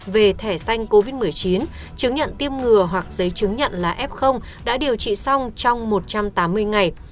về thẻ xanh covid một mươi chín chứng nhận tiêm ngừa hoặc giấy chứng nhận là f đã điều trị xong trong một trăm tám mươi ngày